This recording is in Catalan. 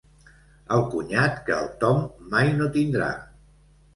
El cunyat que el Tom mai no tindrà.